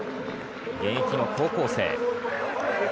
現役の高校生。